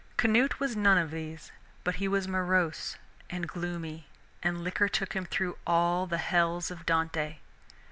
Canute was none of these, but he was morose and gloomy, and liquor took him through all the hells of Dante.